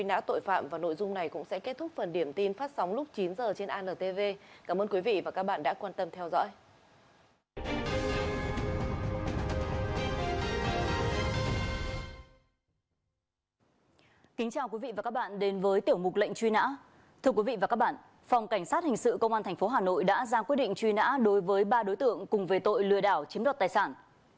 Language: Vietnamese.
đã ra quyết định truy nã đối với ba đối tượng cùng về tội lừa đảo chiếm đọt tài sản